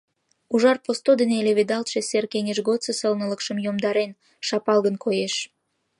Ужар посто дене леведалтше сер кеҥеж годсо сылнылыкшым йомдарен, шапалгын коеш.